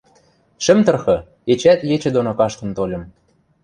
Шӹм тырхы, эчеӓт ечӹ доно каштын тольым.